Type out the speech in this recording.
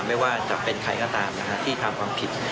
ไม่ว่าจะเป็นใครก็ตามที่ทำความผิด